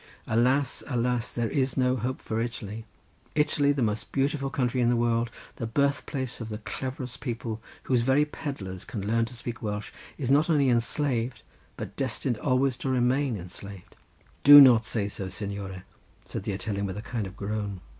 Alas, alas, there is no hope for Italy! Italy, the most beautiful country in the world, the birthplace of the cleverest people, whose very pedlars can learn to speak Welsh, is not only enslaved, but destined always to remain enslaved." "Do not say so, signore," said the Italian, with a kind of groan.